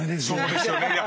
そうですよね。